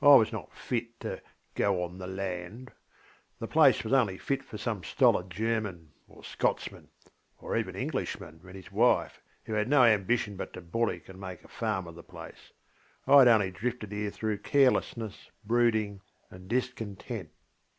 ŌĆÖ I was not fit to ŌĆśgo on the landŌĆÖ. The place was only fit for some stolid German, or Scotsman, or even Englishman and his wife, who had no ambition but to bullock and make a farm of the place. I had only drifted here through carelessness, brooding, and discontent.